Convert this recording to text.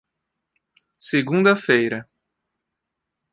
Segunda-feira.